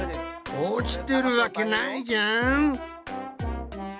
落ちてるわけないじゃん！